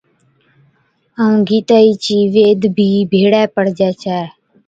ائُون گِيتائِي چي ويد بِي ڀيڙي پڙهَي ڇَي